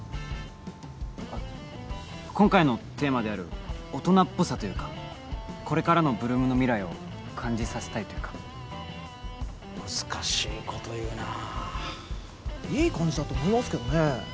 あっ今回のテーマである大人っぽさというかこれからの８ＬＯＯＭの未来を感じさせたいというか難しいこと言うな・いい感じだと思いますけどね